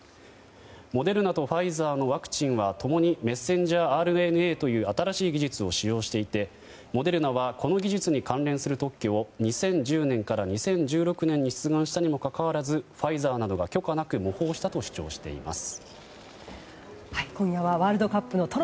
モデルナとファイザーのワクチンは共にメッセンジャーＲＮＡという新しい技術を使用していてモデルナはこの技術に関連する特許を２０１０年から２０１６年に出願したにもかかわらずファイザーなどが許可なく模倣したと主張しています。